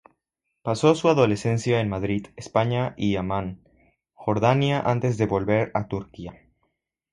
Pasó su adolescencia en Madrid, España y Ammán, Jordania antes de volver a Turquía.